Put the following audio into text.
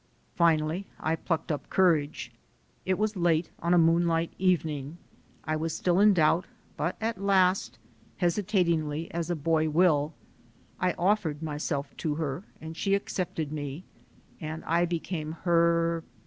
Finally I plucked up courage. It was late on a moonlight evening. I was still in doubt, but at last, hesitatingly as a boy will, I offered myself to her and she accepted me and I became her